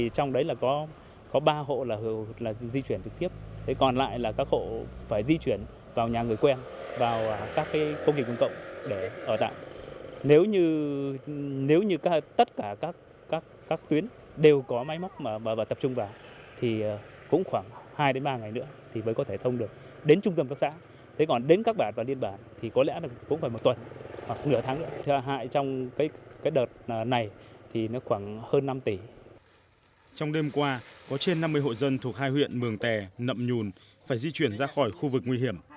trong đêm qua có trên năm mươi hội dân thuộc hai huyện mường tè nậm nhùn phải di chuyển ra khỏi khu vực nguy hiểm